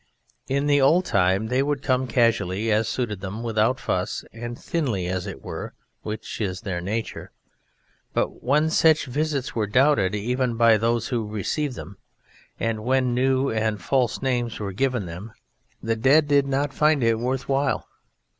In the old time they would come casually, as suited them, without fuss and thinly, as it were, which is their nature; but when such visits were doubted even by those who received them and when new and false names were given them the Dead did not find it worth while.